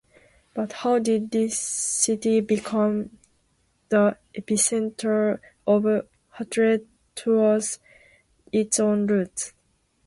But how did this city become the epicenter of hatred towards its own roots?